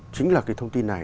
chính là cái thông tin này